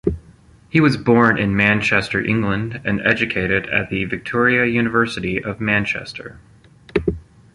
He was born in Manchester, England, and educated at the Victoria University of Manchester.